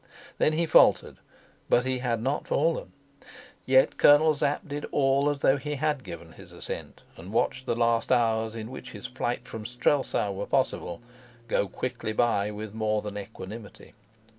Then he faltered; but he had not fallen. Yet Colonel Sapt did all as though he had given his assent, and watched the last hours in which his flight from Strelsau was possible go quickly by with more than equanimity.